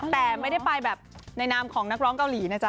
แต่ไม่ได้ไปแบบในนามของนักร้องเกาหลีนะจ๊